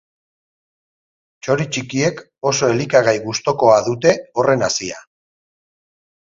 Txori txikiek oso elikagai gustukoa dute horren hazia.